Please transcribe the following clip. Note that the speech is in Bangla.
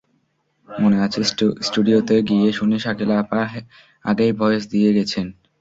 মনে আছে, স্টুডিওতে গিয়ে শুনি, শাকিলা আপা আগেই ভয়েস দিয়ে গেছেন।